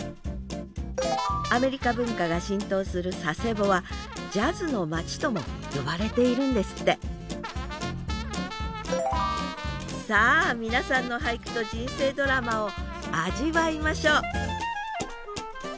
アメリカ文化が浸透する佐世保は「ジャズの町」とも呼ばれているんですってさあ皆さんの俳句と人生ドラマを味わいましょう！